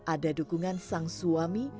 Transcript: ada dukungan sang suami